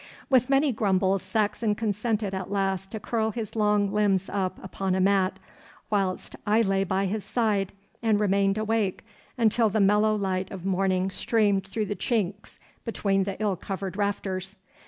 With many grumbles Saxon consented at last to curl his long limbs up upon a mat, whilst I lay by his side and remained awake until the mellow light of morning streamed through the chinks between the ill covered rafters.